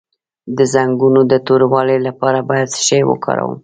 د زنګونونو د توروالي لپاره باید څه شی وکاروم؟